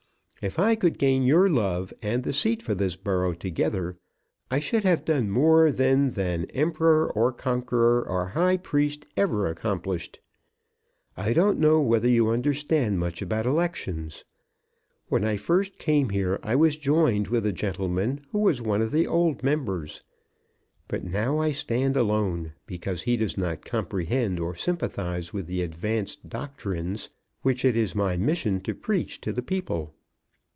If I could gain your love and the seat for this borough together, I should have done more then than emperor, or conqueror, or high priest ever accomplished. I don't know whether you understand much about elections. When I first came here I was joined with a gentleman who was one of the old members; but now I stand alone, because he does not comprehend or sympathise with the advanced doctrines which it is my mission to preach to the people.